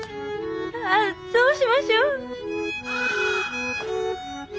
ああどうしましょう。